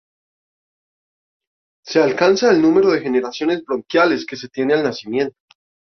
Se alcanza el número de generaciones bronquiales que se tiene al nacimiento.